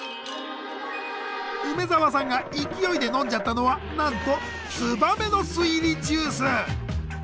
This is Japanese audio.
梅沢さんが勢いで飲んじゃったのはなんとツバメの巣入りジュース。